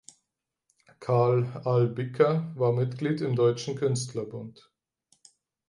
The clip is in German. Karl Albiker war Mitglied im Deutschen Künstlerbund.